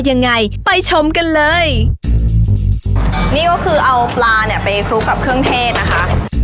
ยังไงไปชมกันเลยนี่ก็คือเอาปลาเนี้ยไปคลุกกับเครื่องเทศนะคะ